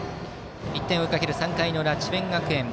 １点を追いかける３回の裏、智弁学園。